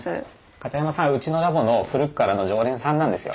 片山さんはうちのラボの古くからの常連さんなんですよ。